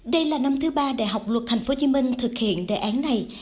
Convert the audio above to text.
đây là năm thứ ba đại học luật tp hcm thực hiện đề án này